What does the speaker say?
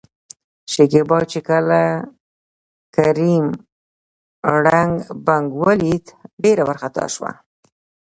شکيبا چې کله کريم ړنګ، بنګ ولېد ډېره ورخطا شوه.